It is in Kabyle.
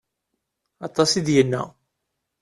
Aṭas i d-yenna.